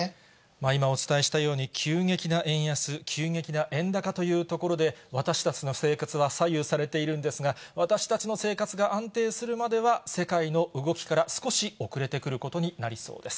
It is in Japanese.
今お伝えしたように、急激な円安、急激な円高というところで、私たちの生活は左右されているんですが、私たちの生活が安定するまでは、世界の動きから少し遅れてくることになりそうです。